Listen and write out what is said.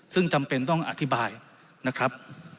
ซึ่งจำเป็นต้องอธิบายนะครับ